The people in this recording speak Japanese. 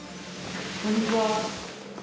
こんにちは。